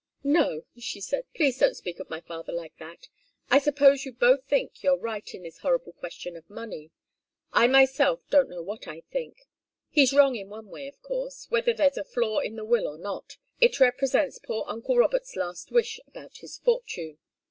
"No," she said. "Please don't speak of my father like that. I suppose you both think you're right in this horrible question of money. I myself don't know what I think. He's wrong in one way, of course. Whether there's a flaw in the will or not, it represents poor uncle Robert's last wish about his fortune.